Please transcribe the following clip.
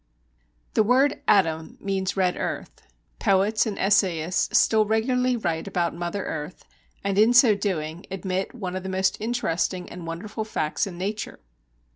The word "Adam" means red earth. Poets and essayists still regularly write about Mother Earth and, in so doing, admit one of the most interesting and wonderful facts in Nature.